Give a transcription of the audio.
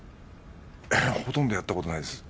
いやほとんどやったことないです。